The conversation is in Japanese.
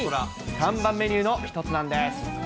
看板メニューの一つなんです。